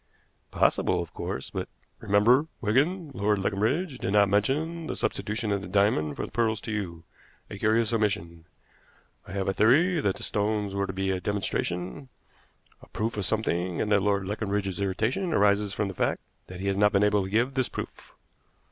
"Possible, of course, but " "Remember, Wigan, Lord Leconbridge did not mention the substitution of the diamonds for the pearls to you a curious omission. I have a theory that the stones were to be a demonstration, a proof of something, and that Lord Leconbridge's irritation arises from the fact that he has not been able to give this proof."